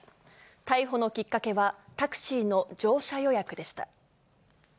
逮捕のきっかけは、タクシーの乗車予約でした。